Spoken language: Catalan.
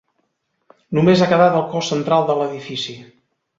Només ha quedat el cos central de l'edifici.